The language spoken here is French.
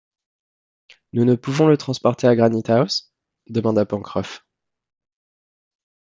Nous ne pouvons le transporter à Granite-house? demanda Pencroff.